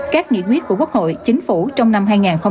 các nghị quyết của quốc hội chính phủ trong năm hai nghìn hai mươi